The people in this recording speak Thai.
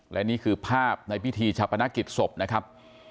และนี่คือภาพในพิธีชาปนกิจศพนะครับ